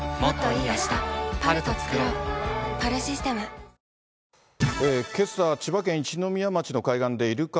三ツ矢サイダー』けさ、千葉県一宮町の海岸で、イルカ